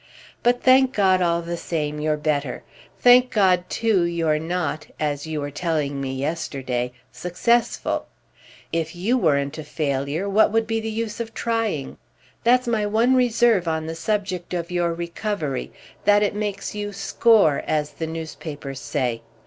But, thank God, all the same, you're better! Thank God, too, you're not, as you were telling me yesterday, 'successful.' If you weren't a failure what would be the use of trying? That's my one reserve on the subject of your recovery—that it makes you 'score,' as the newspapers say.